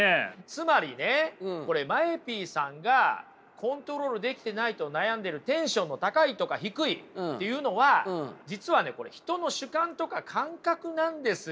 つまりねこれＭＡＥＰさんがコントロールできてないと悩んでるテンションの高いとか低いっていうのは実はね人の主観とか感覚なんですよ。